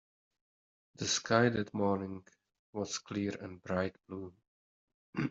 The sky that morning was clear and bright blue.